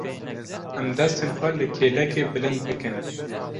Em destên xwe li kêlekê bilind bikin.